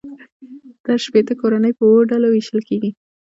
دا شپیته کورنۍ په اووه ډلو وېشل کېږي